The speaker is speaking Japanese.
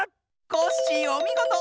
コッシーおみごと！